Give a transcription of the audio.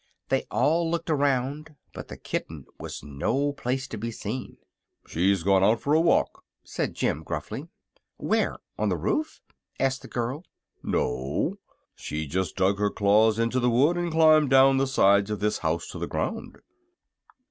They all looked around, but the kitten was no place to be seen. "She's gone out for a walk," said Jim, gruffly. "Where? On the roof?" asked the girl. "No; she just dug her claws into the wood and climbed down the sides of this house to the ground."